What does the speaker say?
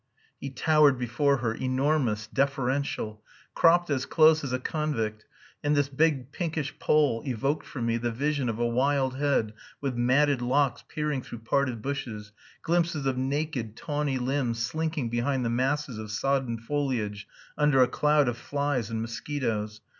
He towered before her, enormous, deferential, cropped as close as a convict and this big pinkish poll evoked for me the vision of a wild head with matted locks peering through parted bushes, glimpses of naked, tawny limbs slinking behind the masses of sodden foliage under a cloud of flies and mosquitoes.